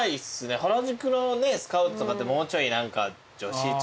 原宿のスカウトとかってもうちょい女子中高生とか。